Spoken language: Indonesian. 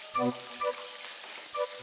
mama tegas sama melih